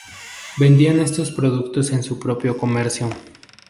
Vendía estos productos en su propio comercio.